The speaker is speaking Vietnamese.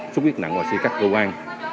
sốt khuyết nặng vào suy các cơ quan